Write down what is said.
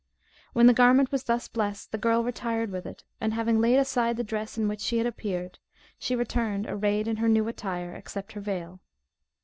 When the garment was thus blessed, the girl retired with it; and having laid aside the dress in which she had appeared, she returned, arrayed in her new attire, except her veil.